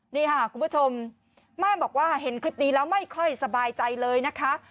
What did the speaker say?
นี่ค่ะคุณผู้ชมแม่บอกว่าเห็นคลิปนี้แล้วไม่ค่อยสบายใจเลยนะคะ